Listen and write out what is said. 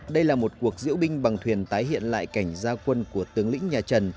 đây là một cuộc diễu binh bằng thuyền tái hiện lại cảnh gia quân của tướng lĩnh nhà trần